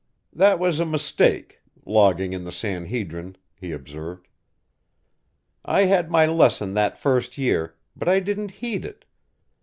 "That was a mistake logging in the San Hedrin," he observed. "I had my lesson that first year, but I didn't heed it.